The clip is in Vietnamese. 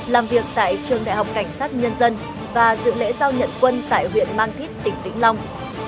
làm việc tại trường đại học cảnh sát nhân dân và dự lễ giao nhận quân tại huyện mang thít tỉnh vĩnh long